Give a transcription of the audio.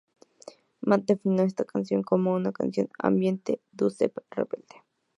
Matt definió esta canción como una con "ambiente dubstep rebelde".